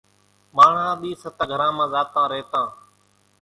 ماڻۿان ۮِي ستان گھران مان زاتان ريتان۔